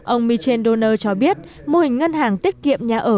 ông michel doner cho biết mô hình ngân hàng tiết kiệm nhà ở